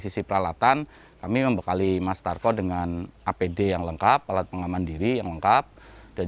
sisi peralatan kami membekali mas tarko dengan apd yang lengkap alat pengaman diri yang lengkap dan